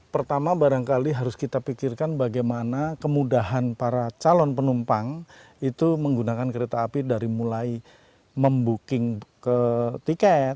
pertama barangkali harus kita pikirkan bagaimana kemudahan para calon penumpang itu menggunakan kereta api dari mulai membuking ke tiket